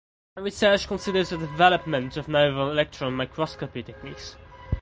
Her research considers the development of novel electron microscopy techniques.